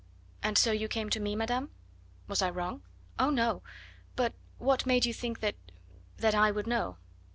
"And so you came to me, madame?" "Was I wrong?" "Oh, no! But what made you think that that I would know?"